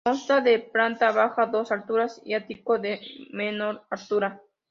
Consta de planta baja, dos alturas y ático de menor altura.